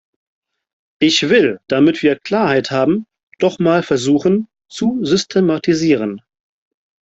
Ich will, damit wir Klarheit haben, doch mal versuchen zu systematisieren.